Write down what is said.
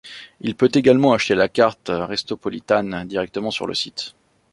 Il peut également acheter la carte Restopolitan directement sur le site.